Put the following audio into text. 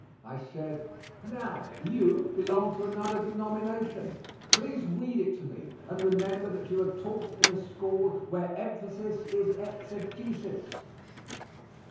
I said, "Now, you belong to another denomination. Please read it to me, and remember that you are taught in a school where emphasis is exegesis."